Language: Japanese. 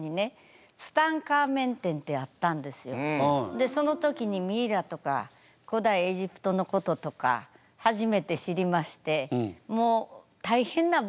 でその時にミイラとか古代エジプトのこととか初めて知りましてもう大変なブームになってたんです。